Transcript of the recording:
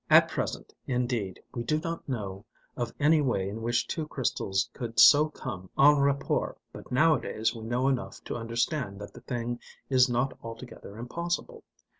At present, indeed, we do not know of any way in which two crystals could so come en rapport, but nowadays we know enough to understand that the thing is not altogether impossible.